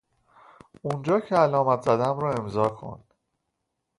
اونجا که علامت زدم رو امضا کن